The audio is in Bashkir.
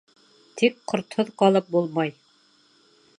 Тик ҡортһоҙ ҡалып булмай.